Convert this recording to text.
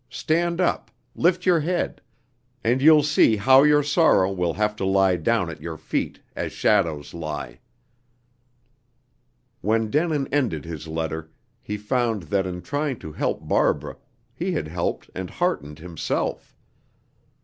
Stand up, lift your head, and you'll see how your sorrow will have to lie down at your feet as shadows lie." When Denin ended his letter, he found that in trying to help Barbara, he had helped and heartened himself.